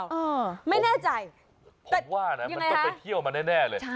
เออไม่แน่ใจผมว่านะมันต้องไปเที่ยวมาแน่แน่เลย